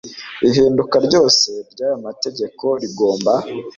ihinduka ryose ry aya mategeko rigomba